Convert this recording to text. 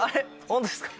本当ですか？